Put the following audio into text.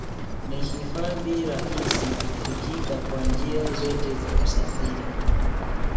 Ni hifadhi rahisi kufikika kwa njia zote za usafiri